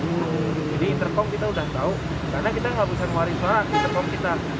jadi intercom kita udah tau karena kita gak bisa ngeluarin suara intercom kita